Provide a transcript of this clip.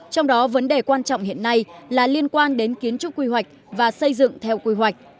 trong đó vấn đề quan trọng hiện nay là liên quan đến kiến trúc quy hoạch và xây dựng theo quy hoạch